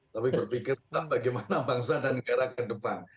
tapi berpikir tentang bagaimana bangsa dan negara ke depan